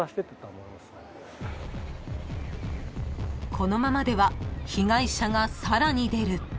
［このままでは被害者がさらに出る］